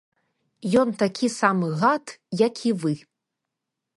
Ён такі самы гад, як і вы.